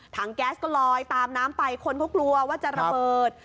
แก๊สก็ลอยตามน้ำไปคนเขากลัวว่าจะระเบิด